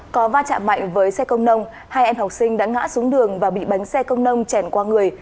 có va chạm mạnh với xe công nông hai em học sinh đã ngã xuống đường và bị bánh xe công nông chèn qua người